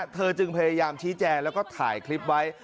เธอจึงพยายามชี้แจงแล้วก็ถ่ายคลิปไว้